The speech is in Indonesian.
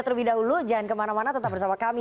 terlebih dahulu jangan kemana mana tetap bersama kami